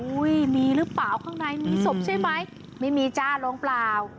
มีหรือเปล่าข้างในมีศพใช่ไหมไม่มีจ้าลงเปล่า